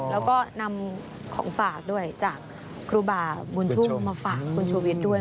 แล้วก็นำของฝากด้วยจากครูบาบุญชุ่มมาฝากคุณชูวิทย์ด้วย